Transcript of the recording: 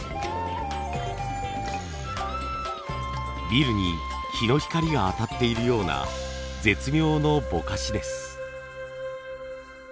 ビルに日の光が当たっているような絶妙のぼかしです。